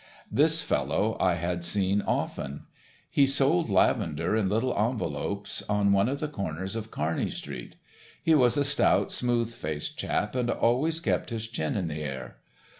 This fellow I had seen often. He sold lavender in little envelopes on one of the corners of Kearny street. He was a stout, smooth faced chap and always kept his chin in the air.